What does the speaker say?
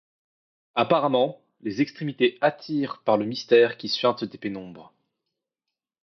Apparemment, les extrémités attirent par le mystère qui suinte des pénombres.